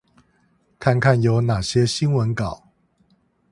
看看有哪些新聞稿